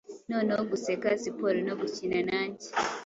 Noneho, guseka, siporo no gukina nanjye;